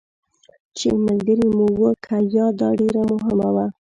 چې ملګري مو وو که یا، دا ډېره مهمه وه.